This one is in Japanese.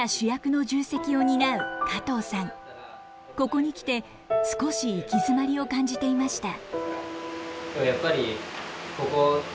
ここにきて少し行き詰まりを感じていました。